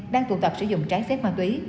đang tụ tập sử dụng trái phép ma túy